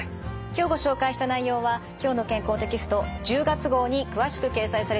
今日ご紹介した内容は「きょうの健康」テキスト１０月号に詳しく掲載されています。